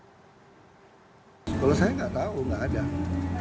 kalau saya nggak tahu nggak ada